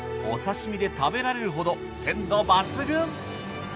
お刺身で食べられるほど鮮度抜群。